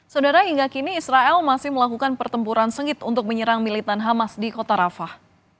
saudara hingga kini israel masih melakukan pertempuran sengit untuk menyerang militan hamas di kota rafah